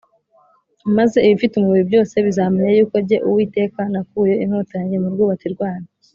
maze ibifite umubiri byose bizamenya yuko jye, Uwiteka, nakuye inkota yanjye mu rwubati rwayo